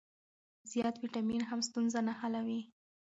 زیات ویټامین هم ستونزه نه حلوي.